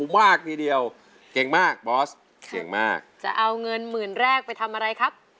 โปรดติดตามต่อไป